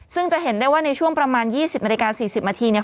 ซึ่งจะเห็นได้ว่าในช่วงประมาณ๒๐นาฬิกา๔๐นาทีเนี่ย